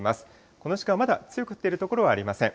この時間はまだ強く降っている所はありません。